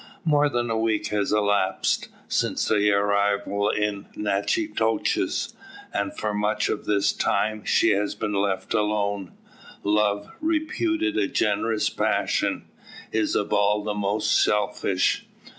More than a week has elapsed since their arrival in Natchitoches, and for much of this time has she been left alone. Love, reputed a generous passion, is of all the most selfish.